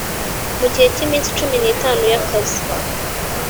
Mu gihe cy iminsi cumi n itanu y akazi